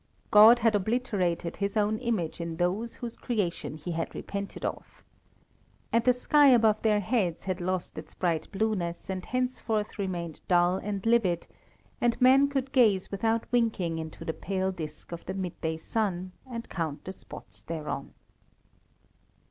God had obliterated His own image in those whose creation He had repented of. And the sky above their heads had lost its bright blueness, and henceforth remained dull and livid, and men could gaze without winking into the pale disc of the midday sun, and count the spots thereon.